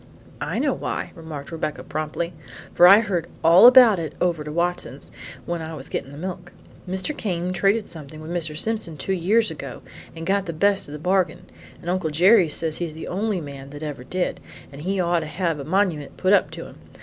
"I know why," remarked Rebecca promptly, "for I heard all about it over to Watson's when I was getting the milk. Mr. Came traded something with Mr. Simpson two years ago and got the best of the bargain, and Uncle Jerry says he's the only man that ever did, and he ought to have a monument put up to him.